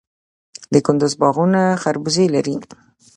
د کندز باغونه خربوزې لري.